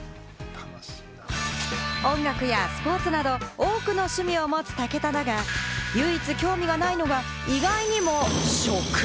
音楽やスポーツなど、多くの趣味を持つ武田だが、唯一興味がないのが、意外にも食。